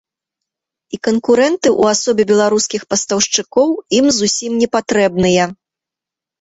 І канкурэнты ў асобе беларускіх пастаўшчыкоў ім зусім не патрэбныя.